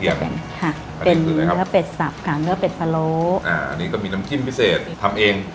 ค่ะเป็นเนื้อเป็ดสับค่ะเนื้อเป็ดพะโล้อ่าอันนี้ก็มีน้ำจิ้มพิเศษทำเอง